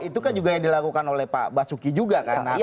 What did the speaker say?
itu kan juga yang dilakukan oleh pak basuki juga kan